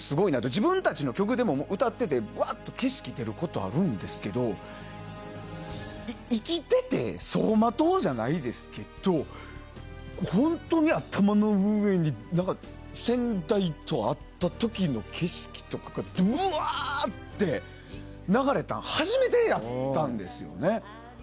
自分たちの曲でも歌ってて、ばっと景色が出ることあるんですけど生きてて走馬灯じゃないですけど本当に頭の上に全体と合った時の景色とかブワーって流れたん初めてやったんですよね。